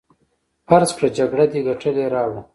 فرض کړه جګړه دې ګټلې راوړه.